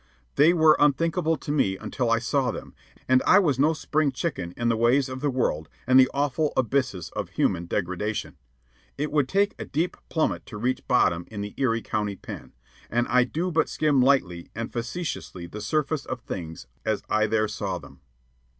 They were unthinkable to me until I saw them, and I was no spring chicken in the ways of the world and the awful abysses of human degradation. It would take a deep plummet to reach bottom in the Erie County Pen, and I do but skim lightly and facetiously the surface of things as I there saw them.